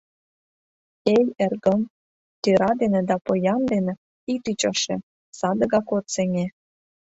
Эй, эргым, тӧра дене да поян дене ит ӱчаше, садыгак от сеҥе.